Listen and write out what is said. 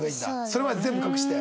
それまで全部隠して。